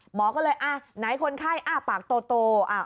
หมอก็เลยอ่ะไหนคนไข้อ้าปากโต